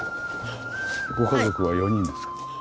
ご家族は４人ですか？